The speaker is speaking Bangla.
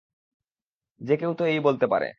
যে কেউ এই তো বলতে পারে।